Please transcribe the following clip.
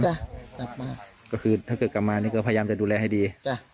กลับมาก็คือถ้าเกิดกลับมานี่ก็พยายามจะดูแลให้ดีจ้ะ